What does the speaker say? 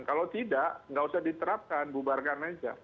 kalau tidak nggak usah diterapkan bubarkan aja